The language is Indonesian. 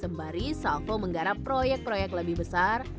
sembari salvo menggarap proyek proyek lebih besar